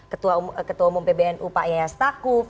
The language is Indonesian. ketua umum pbnu pak yaya stakuf